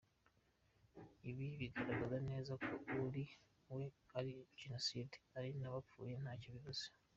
Ibi bigaragaza neza ko kuri we ari jenoside, ari n’abapfuye ntacyo bivuze.